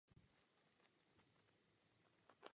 Hráč na bicí soupravu se nazývá bubeník.